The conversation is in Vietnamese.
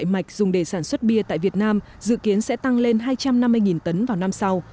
mạch dùng để sản xuất bia tại việt nam dự kiến sẽ tăng lên hai trăm năm mươi tấn vào năm sau